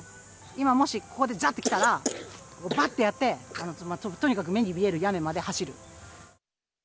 今、もし、ここでざってきたら、ばってやって、とにかく目に見える屋根まで走る。